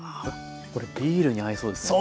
これビールに合いそうですね。